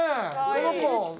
この子。